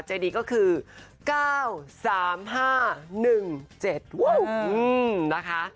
ใจดีก็คือ๙๓๕๑๗วอ้าวอืมนะคะ